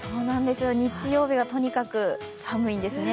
日曜日はとにかく寒いんですね。